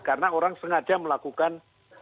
karena orang sengaja melakukan